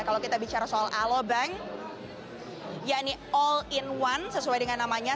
kalau kita bicara soal aloe bank ya ini all in one sesuai dengan namanya